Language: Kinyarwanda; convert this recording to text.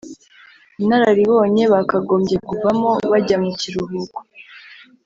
inararibonye, bakagombye kuvamo bajya mu kiruhuko